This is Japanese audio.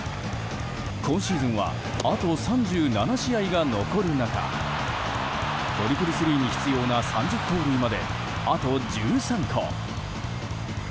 今シーズンはあと３７試合が残る中トリプルスリーに必要な３０盗塁まで、あと１３個。